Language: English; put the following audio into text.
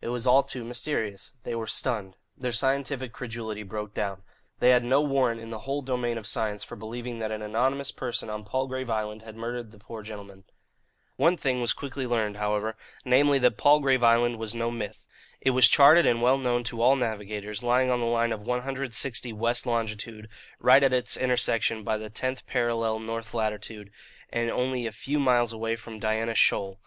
It was all too mysterious. They were stunned. Their scientific credulity broke down. They had no warrant in the whole domain of science for believing that an anonymous person on Palgrave Island had murdered the poor gentlemen. One thing was quickly learned, however; namely, that Palgrave Island was no myth. It was charted and well known to all navigators, lying on the line of 160 west longitude, right at its intersection by the tenth parallel north latitude, and only a few miles away from Diana Shoal.